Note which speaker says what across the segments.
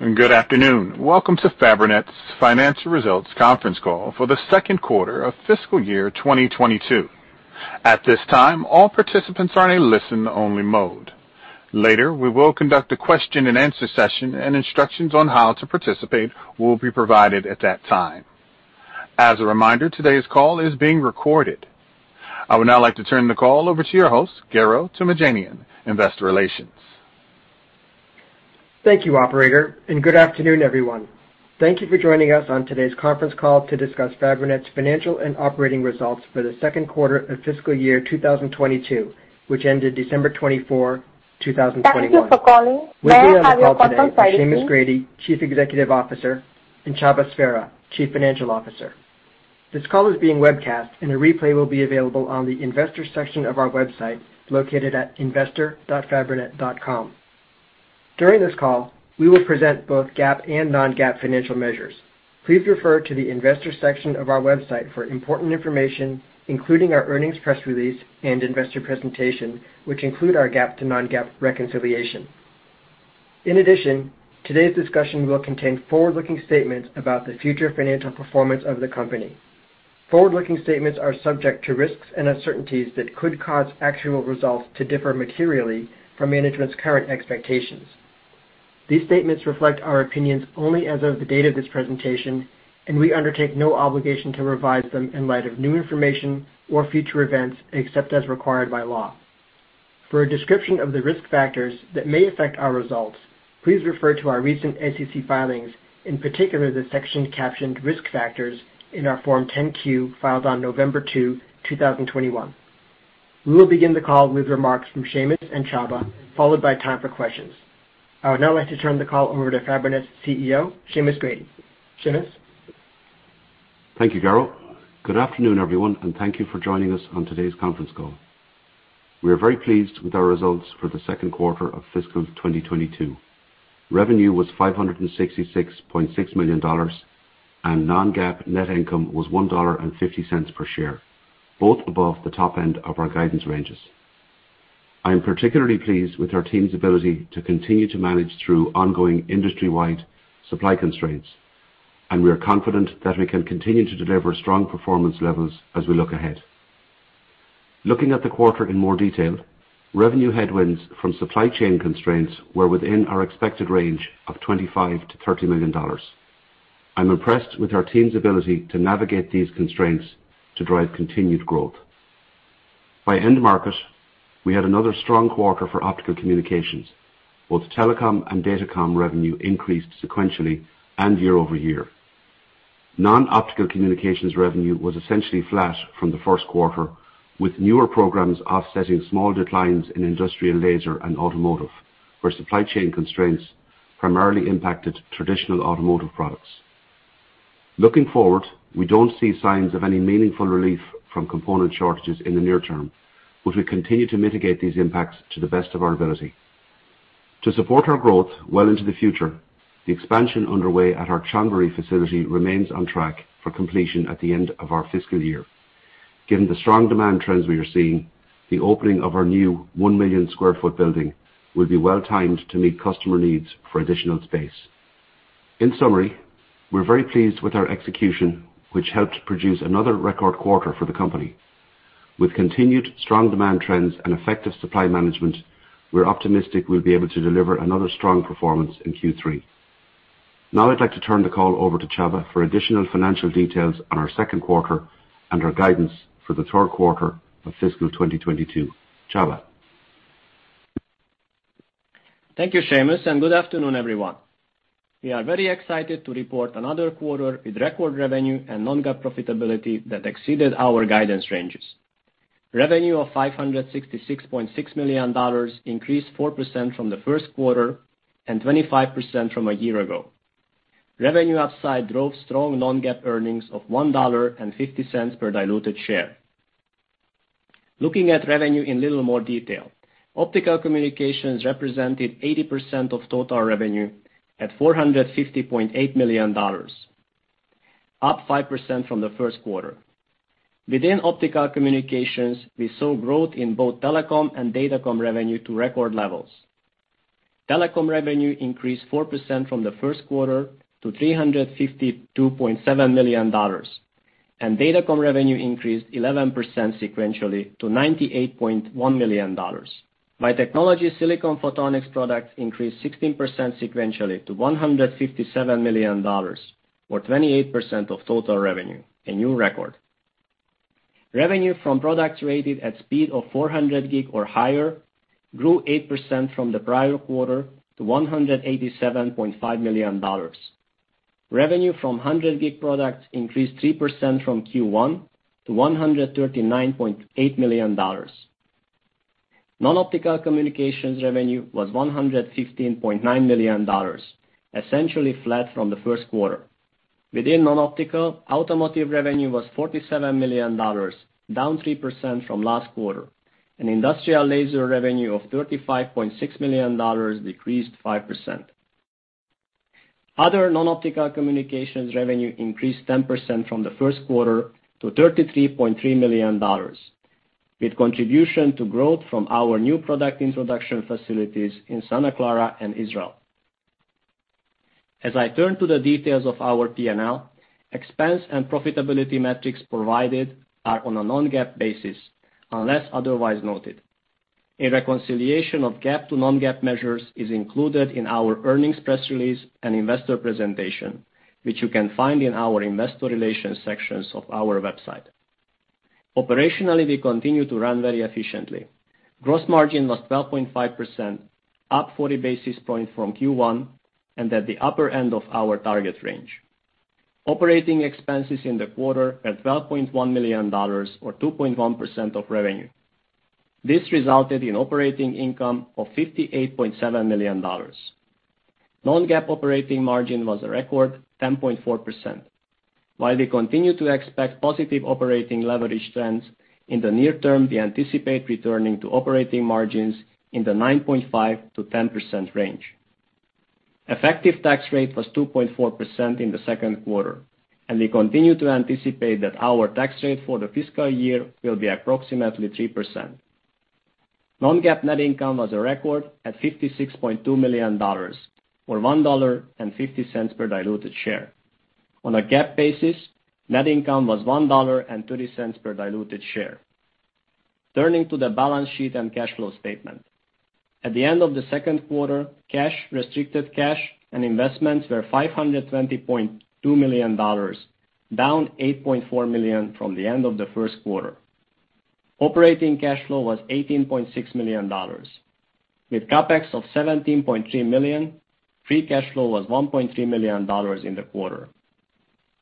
Speaker 1: Good afternoon. Welcome to Fabrinet's Financial Results Conference Call for the Second Quarter of fiscal year 2022. At this time, all participants are in a listen only mode. Later, we will conduct a question and answer session, and instructions on how to participate will be provided at that time. As a reminder, today's call is being recorded. I would now like to turn the call over to your host, Garo Toomajanian, Investor Relations.
Speaker 2: Thank you, operator, and good afternoon, everyone. Thank you for joining us on today's conference call to discuss Fabrinet's financial and operating results for the Second Quarter of fiscal year 2022, which ended December 24, 2021. With me on the call today are Seamus Grady, Chief Executive Officer, and Csaba Sverha, Chief Financial Officer. This call is being webcast, and a replay will be available on the investor section of our website, located at investor.fabrinet.com. During this call, we will present both GAAP and non-GAAP financial measures. Please refer to the investor section of our website for important information, including our earnings press release and investor presentation, which include our GAAP to non-GAAP reconciliation. In addition, today's discussion will contain forward-looking statements about the future financial performance of the company. Forward-looking statements are subject to risks and uncertainties that could cause actual results to differ materially from management's current expectations. These statements reflect our opinions only as of the date of this presentation, and we undertake no obligation to revise them in light of new information or future events, except as required by law. For a description of the risk factors that may affect our results, please refer to our recent SEC filings, in particular, the section captioned Risk Factors in our Form 10-Q filed on November 2, 2021. We will begin the call with remarks from Seamus and Csaba, followed by time for questions. I would now like to turn the call over to Fabrinet's CEO, Seamus Grady. Seamus?
Speaker 3: Thank you, Garo. Good afternoon, everyone, and thank you for joining us on today's conference call. We are very pleased with our results for the second quarter of fiscal 2022. Revenue was $566.6 million, and non-GAAP net income was $1.50 per share, both above the top end of our guidance ranges. I am particularly pleased with our team's ability to continue to manage through ongoing industry-wide supply constraints, and we are confident that we can continue to deliver strong performance levels as we look ahead. Looking at the quarter in more detail, revenue headwinds from supply chain constraints were within our expected range of $25 million-$30 million. I'm impressed with our team's ability to navigate these constraints to drive continued growth. By end market, we had another strong quarter for Optical Communications. Both telecom and datacom revenue increased sequentially and year-over-year. Non-optical communications revenue was essentially flat from the first quarter, with newer programs offsetting small declines in industrial laser and automotive, where supply chain constraints primarily impacted traditional automotive products. Looking forward, we don't see signs of any meaningful relief from component shortages in the near term, but we continue to mitigate these impacts to the best of our ability. To support our growth well into the future, the expansion underway at our Chonburi facility remains on track for completion at the end of our fiscal year. Given the strong demand trends we are seeing, the opening of our new 1 million sq ft building will be well-timed to meet customer needs for additional space. In summary, we're very pleased with our execution, which helped produce another record quarter for the company. With continued strong demand trends and effective supply management, we're optimistic we'll be able to deliver another strong performance in Q3. Now I'd like to turn the call over to Csaba for additional financial details on our second quarter and our guidance for the third quarter of fiscal 2022. Csaba?
Speaker 4: Thank you, Seamus, and good afternoon, everyone. We are very excited to report another quarter with record revenue and non-GAAP profitability that exceeded our guidance ranges. Revenue of $566.6 million increased 4% from the first quarter and 25% from a year ago. Revenue upside drove strong non-GAAP earnings of $1.50 per diluted share. Looking at revenue in a little more detail, Optical Communications represented 80% of total revenue at $450.8 million, up 5% from the first quarter. Within Optical Communications, we saw growth in both Telecom and Datacom revenue to record levels. Telecom revenue increased 4% from the first quarter to $352.7 million, and Datacom revenue increased 11% sequentially to $98.1 million. By technology, Silicon Photonics products increased 16% sequentially to $157 million or 28% of total revenue, a new record. Revenue from products rated at speed of 400 gig or higher grew 8% from the prior quarter to $187.5 million. Revenue from 100 gig products increased 3% from Q1 to $139.8 million. Non-optical communications revenue was $115.9 million, essentially flat from the first quarter. Within non-optical, automotive revenue was $47 million, down 3% from last quarter. And industrial laser revenue of $35.6 million decreased 5%. Other non-optical communications revenue increased 10% from the first quarter to $33.3 million. With contribution to growth from our new product introduction facilities in Santa Clara and Israel. As I turn to the details of our P&L, expense and profitability metrics provided are on a non-GAAP basis, unless otherwise noted. A reconciliation of GAAP to non-GAAP measures is included in our earnings press release and investor presentation, which you can find in our investor relations sections of our website. Operationally, we continue to run very efficiently. Gross margin was 12.5%, up 40 basis points from Q1 and at the upper end of our target range. Operating expenses in the quarter at $12.1 million or 2.1% of revenue. This resulted in operating income of $58.7 million. Non-GAAP operating margin was a record 10.4%. While we continue to expect positive operating leverage trends in the near term, we anticipate returning to operating margins in the 9.5%-10% range. Effective tax rate was 2.4% in the second quarter, and we continue to anticipate that our tax rate for the fiscal year will be approximately 3%. Non-GAAP net income was a record at $56.2 million or $1.50 per diluted share. On a GAAP basis, net income was $1.30 per diluted share. Turning to the balance sheet and cash flow statement. At the end of the second quarter, cash, restricted cash, and investments were $520.2 million, down $8.4 million from the end of the first quarter. Operating cash flow was $18.6 million. With CapEx of $17.3 million, free cash flow was $1.3 million in the quarter.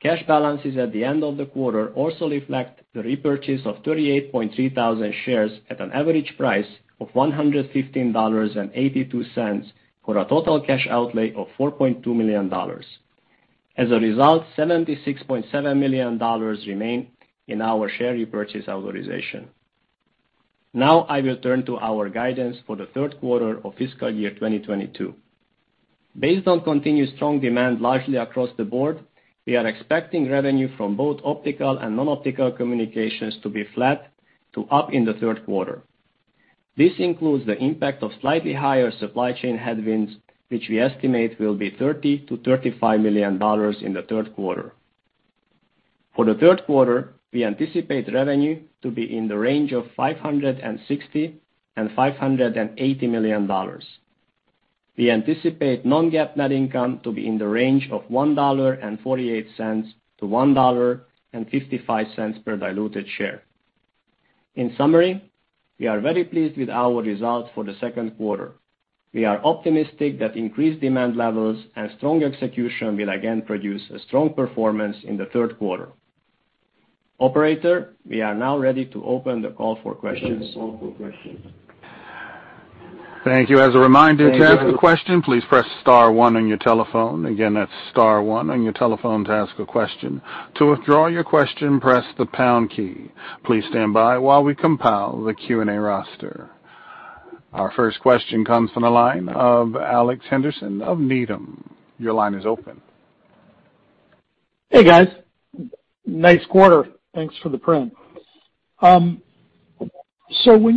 Speaker 4: Cash balances at the end of the quarter also reflect the repurchase of 38.3 thousand shares at an average price of $115.82, for a total cash outlay of $4.2 million. As a result, $76.7 million remain in our share repurchase authorization. Now I will turn to our guidance for the third quarter of fiscal year 2022. Based on continued strong demand largely across the board, we are expecting revenue from both Optical Communications and Non-optical communications to be flat to up in the third quarter. This includes the impact of slightly higher supply chain headwinds, which we estimate will be $30 million-$35 million in the third quarter. For the third quarter, we anticipate revenue to be in the range of $560 million-$580 million. We anticipate non-GAAP net income to be in the range of $1.48-$1.55 per diluted share. In summary, we are very pleased with our results for the second quarter. We are optimistic that increased demand levels and strong execution will again produce a strong performance in the third quarter. Operator, we are now ready to open the call for questions.
Speaker 1: Thank you. As a reminder, to ask a question, please press star one on your telephone. Again, that's star one on your telephone to ask a question. To withdraw your question, press the pound key. Please stand by while we compile the Q&A roster. Our first question comes from the line of Alex Henderson of Needham. Your line is open.
Speaker 5: Hey, guys. Nice quarter. Thanks for the print. When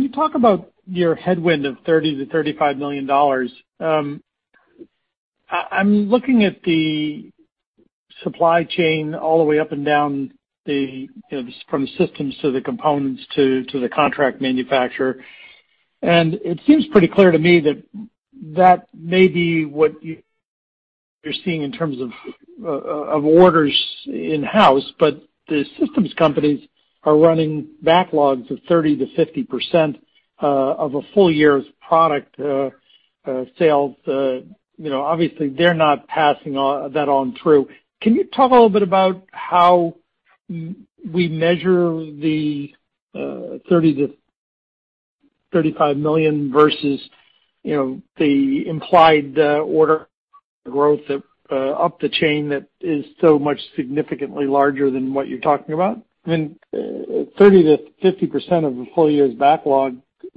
Speaker 5: you talk about your headwind of $30 million-$35 million, I'm looking at the supply chain all the way up and down the, you know, from systems to the components to the contract manufacturer. It seems pretty clear to me that that may be what you're seeing in terms of orders in-house. The systems companies are running backlogs of 30%-50% of a full year's product sales. You know, obviously, they're not passing that on through. Can you talk a little bit about how we measure the $30 million-$35 million versus, you know, the implied order growth up the chain that is so much significantly larger than what you're talking about? I mean, 30%-50% of a full year's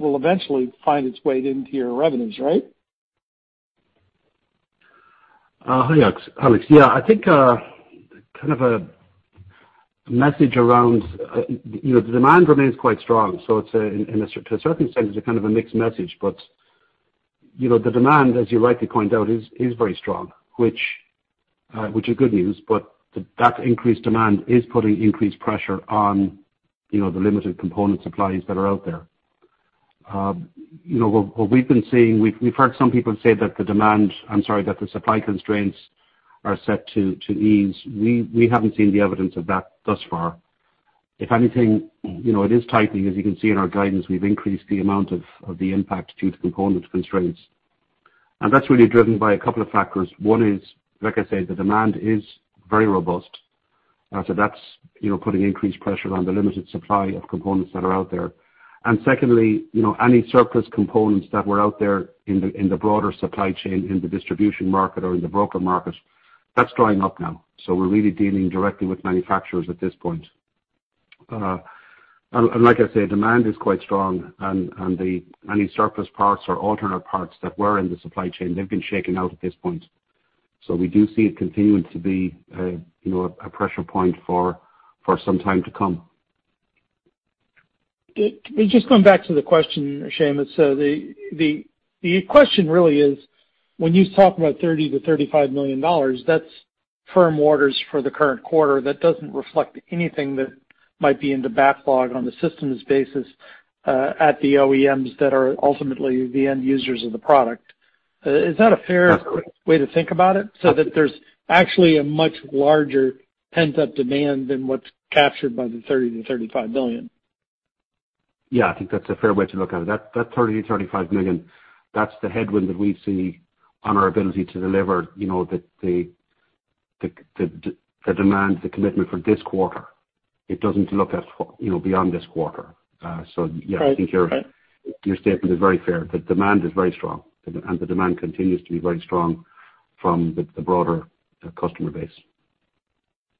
Speaker 5: backlog will eventually find its way into your revenues, right?
Speaker 3: Hi, Alex. Yeah, I think kind of a message around you know the demand remains quite strong, so it's to a certain extent it's a kind of a mixed message. You know, the demand, as you rightly point out, is very strong, which is good news, but that increased demand is putting increased pressure on you know the limited component supplies that are out there. You know, what we've been seeing, we've heard some people say that the supply constraints are set to ease. We haven't seen the evidence of that thus far. If anything, you know, it is tightening. As you can see in our guidance, we've increased the amount of the impact due to component constraints. That's really driven by a couple of factors. One is, like I say, the demand is very robust. That's, you know, putting increased pressure on the limited supply of components that are out there. Secondly, you know, any surplus components that were out there in the broader supply chain, in the distribution market or in the broker market, that's drying up now. We're really dealing directly with manufacturers at this point. Like I say, demand is quite strong and then any surplus parts or alternate parts that were in the supply chain, they've been shaken out at this point. We do see it continuing to be a, you know, a pressure point for some time to come.
Speaker 5: Just going back to the question, Seamus, the question really is when you talk about $30 million-$35 million, that's firm orders for the current quarter that doesn't reflect anything that might be in the backlog on the systems basis at the OEMs that are ultimately the end users of the product. Is that a fair-
Speaker 3: That's correct.
Speaker 5: a way to think about it? That there's actually a much larger pent-up demand than what's captured by the $30 million-$35 million.
Speaker 3: Yeah, I think that's a fair way to look at it. That $30 million-$35 million, that's the headwind that we see on our ability to deliver, you know, the demand, the commitment for this quarter. It doesn't look at, you know, beyond this quarter. Yeah.
Speaker 5: Right.
Speaker 3: I think your statement is very fair. The demand is very strong and the demand continues to be very strong from the broader customer base.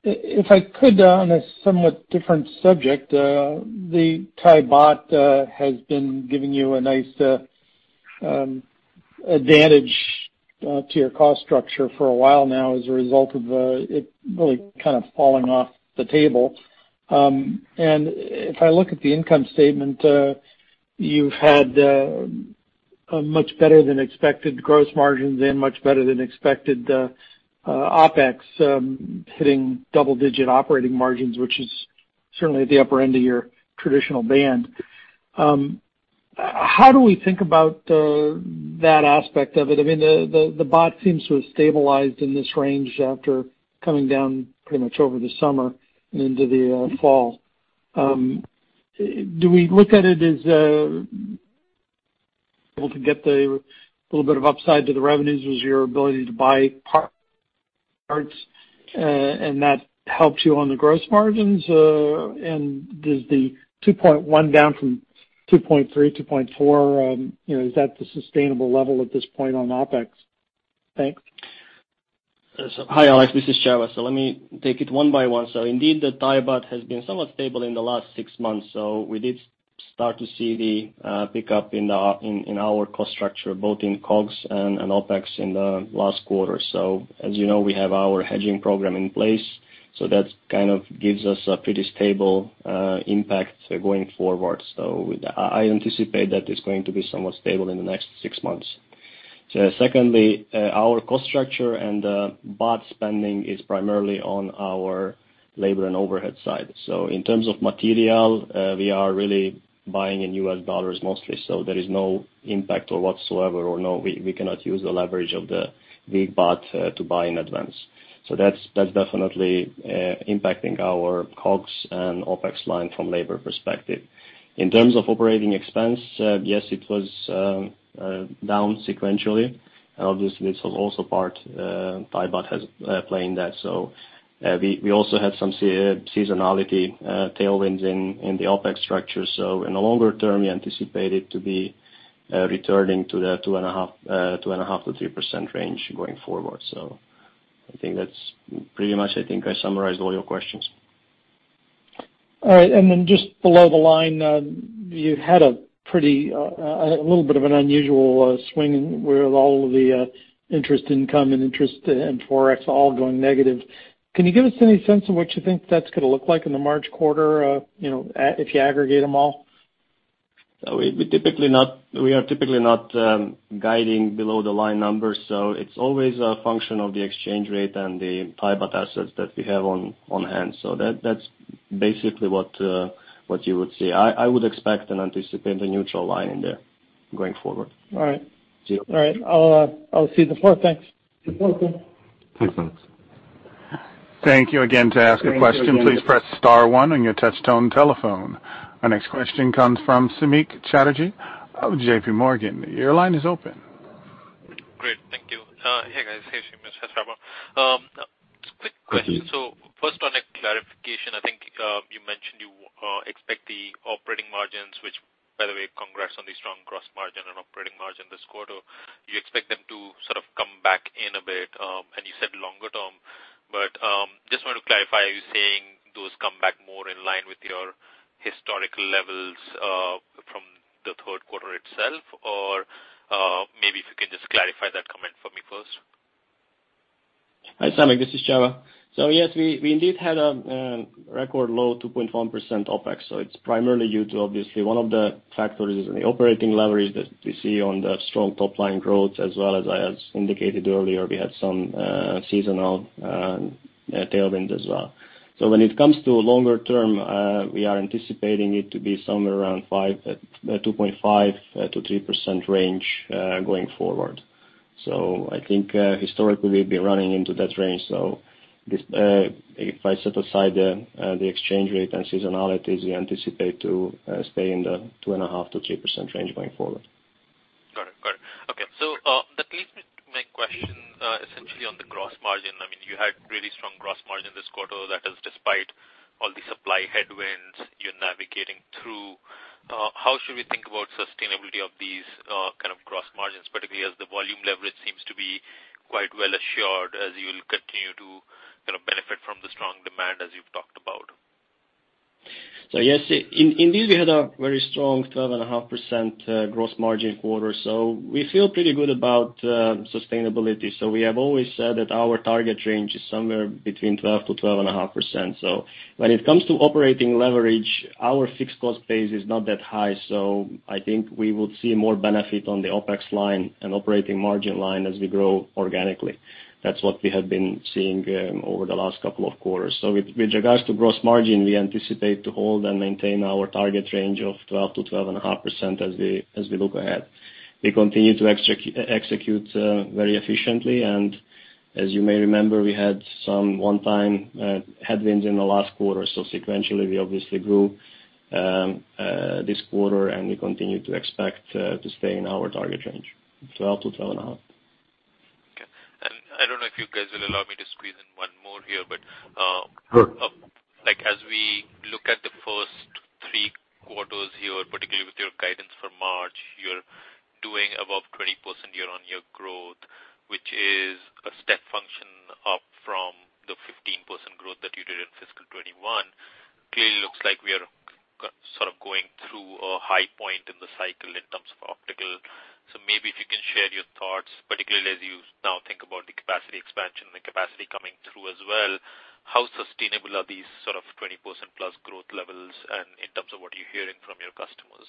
Speaker 5: If I could, on a somewhat different subject, the Thai baht has been giving you a nice advantage to your cost structure for a while now as a result of it really kind of falling off the table. If I look at the income statement, you've had a much better than expected gross margins and much better than expected OpEx, hitting double digit operating margins, which is certainly at the upper end of your traditional band. How do we think about that aspect of it? I mean, the baht seems to have stabilized in this range after coming down pretty much over the summer and into the fall. Do we look at it as able to get the little bit of upside to the revenues as your ability to buy parts, and that helps you on the gross margins? Does the 2.1% down from 2.3%-2.4%, you know, is that the sustainable level at this point on OpEx? Thanks.
Speaker 4: Hi, Alex, this is Csaba. Let me take it one by one. Indeed, the Thai baht has been somewhat stable in the last six months. We did start to see the pickup in our cost structure, both in COGS and OpEx in the last quarter. As you know, we have our hedging program in place, that kind of gives us a pretty stable impact going forward. With that, I anticipate that it's going to be somewhat stable in the next six months. Secondly, our cost structure and baht spending is primarily on our labor and overhead side. In terms of material, we are really buying in US dollars mostly. There is no impact whatsoever. We cannot use the leverage of the weak baht to buy in advance. That's definitely impacting our COGS and OpEx line from labor perspective. In terms of operating expense, yes, it was down sequentially. Obviously this was also part. Thai baht has played in that. We also had some seasonality tailwinds in the OpEx structure. In the longer term, we anticipate it to be returning to the 2.5%-3% range going forward. I think that's pretty much. I think I summarized all your questions.
Speaker 5: All right. Just below the line, you had a pretty little bit of an unusual swing where all of the interest income and interest and forex all going negative. Can you give us any sense of what you think that's gonna look like in the March quarter, if you aggregate them all?
Speaker 4: We are typically not guiding below the line numbers, so it's always a function of the exchange rate and the Thai baht assets that we have on hand. That's basically what you would see. I would expect and anticipate a neutral line in there going forward.
Speaker 5: All right.
Speaker 4: See you.
Speaker 5: All right. I'll open the floor. Thanks.
Speaker 4: You're welcome.
Speaker 3: Thanks.
Speaker 1: Thank you again. To ask a question, please press star one on your touch tone telephone. Our next question comes from Samik Chatterjee of JPMorgan. Your line is open.
Speaker 6: Great. Thank you. Hey, guys. Hey, Seamus. Hey, Csaba. Quick question. First on a clarification, I think, you mentioned you expect the operating margins, which by the way, congrats on the strong gross margin and operating margin this quarter. You expect them to sort of come back in a bit, and you said longer term, but, just want to clarify, are you saying those come back more in line with your historical levels, from the third quarter itself? Or, maybe if you can just clarify that comment for me first.
Speaker 4: Hi, Samik, this is Csaba. Yes, we indeed had record low 2.1% OpEx. It's primarily due to obviously one of the factors is in the operating leverage that we see on the strong top line growth as well as I has indicated earlier, we had some seasonal tailwind as well. When it comes to longer term, we are anticipating it to be somewhere around 2.5%-3% range going forward. I think, historically we'll be running into that range, so this, if I set aside the exchange rate and seasonalities, we anticipate to stay in the 2.5%-3% range going forward.
Speaker 6: Got it. Okay. The placement, my question, essentially on the gross margin, I mean, you had really strong gross margin this quarter. That is despite all the supply headwinds you're navigating through. How should we think about sustainability of these kind of gross margins, particularly as the volume leverage seems to be quite well assured as you'll continue to
Speaker 4: Yes, indeed we had a very strong 12.5% gross margin quarter. We feel pretty good about sustainability. We have always said that our target range is somewhere between 12%-12.5%. When it comes to operating leverage, our fixed cost base is not that high, so I think we would see more benefit on the OpEx line and operating margin line as we grow organically. That's what we have been seeing over the last couple of quarters. With regards to gross margin, we anticipate to hold and maintain our target range of 12%-12.5% as we look ahead. We continue to execute very efficiently. As you may remember, we had some one-time headwinds in the last quarter. Sequentially, we obviously grew this quarter, and we continue to expect to stay in our target range, 12%-12.5%.
Speaker 6: Okay. I don't know if you guys will allow me to squeeze in one more here, but,
Speaker 4: Sure.
Speaker 6: Like, as we look at the first three quarters here, particularly with your guidance for March, you're doing above 20% year-on-year growth, which is a step function up from the 15% growth that you did in fiscal 2021. Clearly looks like we are sort of going through a high point in the cycle in terms of optical. Maybe if you can share your thoughts, particularly as you now think about the capacity expansion and the capacity coming through as well, how sustainable are these sort of 20% plus growth levels and in terms of what you're hearing from your customers?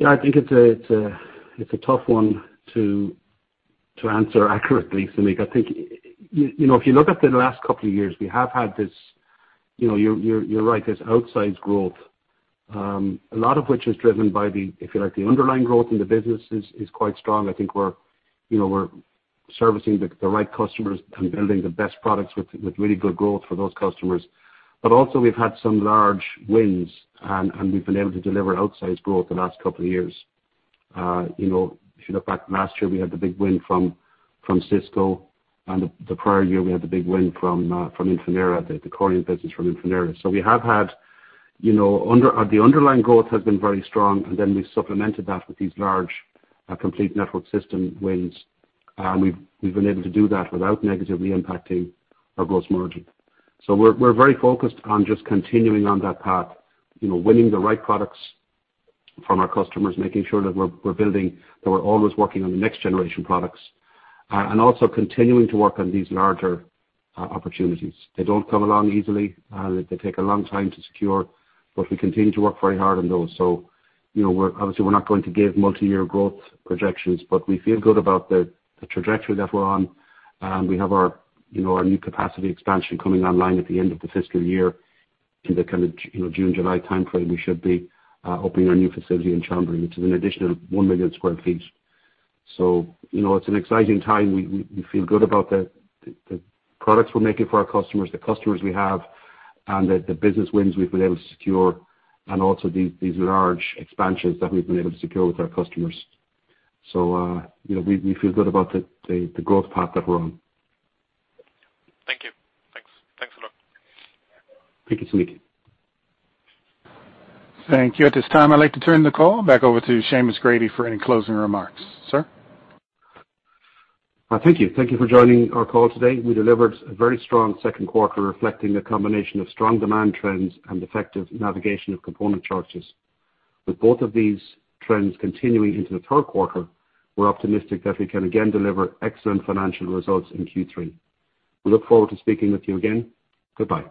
Speaker 3: Yeah, I think it's a tough one to answer accurately, Samik. I think, you know, if you look at the last couple of years, we have had this, you know, you're right, this outsized growth, a lot of which is driven by the, if you like, the underlying growth in the business is quite strong. I think we're, you know, we're servicing the right customers and building the best products with really good growth for those customers. But also we've had some large wins and we've been able to deliver outsized growth the last couple of years. You know, if you look back last year, we had the big win from Cisco, and the prior year we had the big win from Infinera, the Coriant business from Infinera. We have had, you know, the underlying growth has been very strong, and then we supplemented that with these large, complete network system wins. We've been able to do that without negatively impacting our gross margin. We're very focused on just continuing on that path, you know, winning the right products from our customers, making sure that we're building, that we're always working on the next generation products, and also continuing to work on these larger opportunities. They don't come along easily, they take a long time to secure, but we continue to work very hard on those. You know, obviously we're not going to give multi-year growth projections, but we feel good about the trajectory that we're on. We have our, you know, new capacity expansion coming online at the end of the fiscal year. In the kind of, you know, June, July timeframe, we should be opening our new facility in Chonburi, which is an additional 1 million sq ft. You know, it's an exciting time. We feel good about the products we're making for our customers, the customers we have, and the business wins we've been able to secure and also these large expansions that we've been able to secure with our customers. You know, we feel good about the growth path that we're on.
Speaker 6: Thank you. Thanks. Thanks a lot.
Speaker 3: Thank you, Samik.
Speaker 1: Thank you. At this time, I'd like to turn the call back over to Seamus Grady for any closing remarks. Sir?
Speaker 3: Thank you. Thank you for joining our call today. We delivered a very strong second quarter, reflecting a combination of strong demand trends and effective navigation of component shortages. With both of these trends continuing into the third quarter, we're optimistic that we can again deliver excellent financial results in Q3. We look forward to speaking with you again. Goodbye.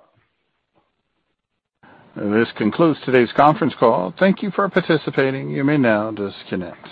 Speaker 1: This concludes today's conference call. Thank you for participating. You may now disconnect.